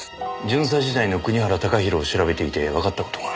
巡査時代の国原貴弘を調べていてわかった事が。